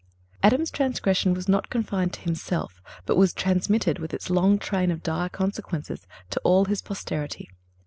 Adam's transgression was not confined to himself, but was transmitted, with its long train of dire consequences, to all his posterity.